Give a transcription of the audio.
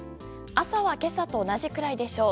朝は今朝と同じくらいでしょう。